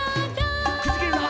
くじけるな！